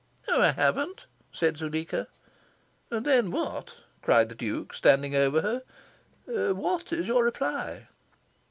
"No, I haven't," said Zuleika. "Then what," cried the Duke, standing over her, "what is your reply?"